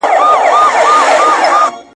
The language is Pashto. که بیرغ د احمدشاه دی که شمشېر د خوشحال خان دی `